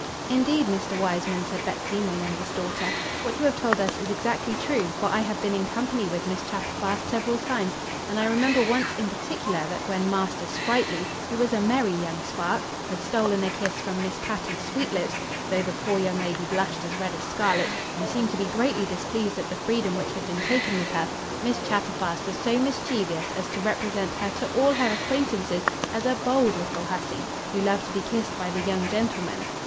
"Indeed, Mr. Wiseman, said Betsey, my youngest daughter, what you have told us is exactly true; for I have been in company with Miss Chatterfast several times, and I remember once in particular that when Master Sprightly, who was a merry young spark, had stolen a kiss from Miss Patty Sweetlips, though the poor young lady blushed as red as scarlet, and seemed to be greatly displeased at the freedom which had been taken with her, Miss Chatterfast was so mischievous as to represent her to all her acquaintance as a bold little hussey, who loved to be kissed by the young gentlemen.